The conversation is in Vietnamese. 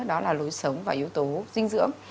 đó là lối sống và yếu tố dinh dưỡng